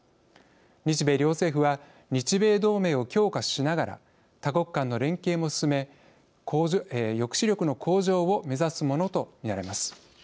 日米両政府は日米同盟を強化しながら多国間の連携も進め抑止力の向上を目指すものとみられます。